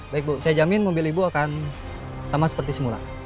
baik bu saya jamin mobil ibu akan sama seperti semula